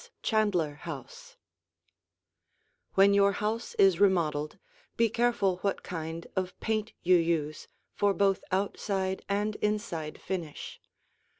CHANDLER HOUSE When your house is remodeled, be careful what kind of paint you use for both outside and inside finish.